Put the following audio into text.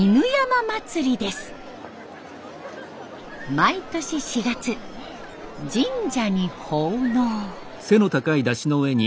毎年４月神社に奉納。